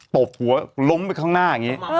บหัวล้มไปข้างหน้าอย่างนี้